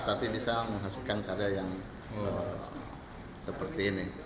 tapi bisa menghasilkan karya yang seperti ini